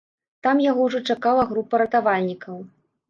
Там яго ўжо чакала група ратавальнікаў.